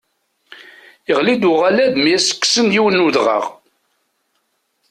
Yeɣli-d uɣalad mi as-d-kksen yiwen n udɣaɣ.